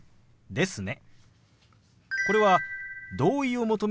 「ですね」。